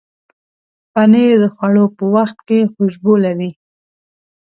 پنېر د خوړلو پر وخت خوشبو لري.